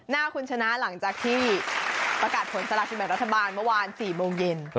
หน้าคุณชนะหลังจากที่ประกาศผลสละกินแบบรัฐบาลเมื่อวาน๔โมงเย็น